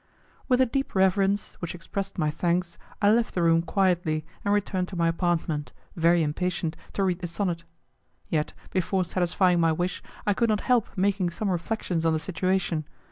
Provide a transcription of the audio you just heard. With a deep reverence, which expressed my thanks, I left the room quietly and returned to my apartment, very impatient to read the sonnet. Yet, before satisfying my wish, I could not help making some reflections on the situation.